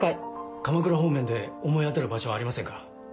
鎌倉方面で思い当たる場所はありませんか？